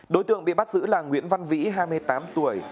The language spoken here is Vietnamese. đối tượng bị bắt giữ là nguyễn văn vĩ hai mươi tám tuổi